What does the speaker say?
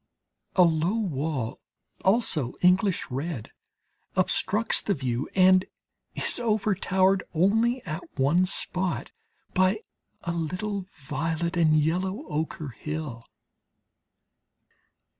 A low wall, also English red, obstructs the view and is overtowered only at one spot by a little violet and yellow ochre hill.